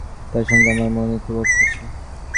তাঁর সঙ্গে আমার মতের খুবই ঐক্য আছে।